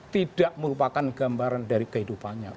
tidak merupakan gambaran dari kehidupannya